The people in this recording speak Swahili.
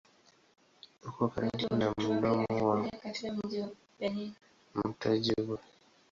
Uko karibu na mdomo wa mto Juba.